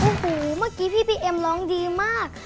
โอ้โหเมื่อกี้พี่เอ็มร้องดีมาก